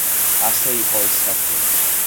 ასე იყო ეს საქმე